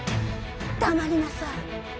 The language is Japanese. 黙りなさい！